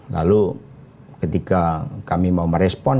lalu ketika kami mau merespon